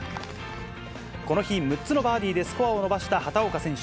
この日、６つのバーディーでスコアを伸ばした畑岡選手。